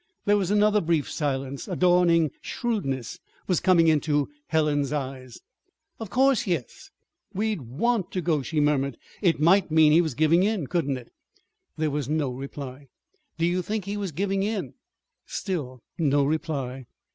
There was another brief silence. A dawning shrewdness was coming into Helen's eyes. "Oh, of course, yes. We'd want to go," she murmured. "It might mean he was giving in, couldn't it?" There was no reply. "Do you think he was giving in?" Still no reply.